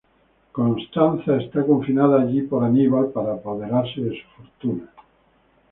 Constanza está confinada allí por Aníbal para apoderarse de su fortuna.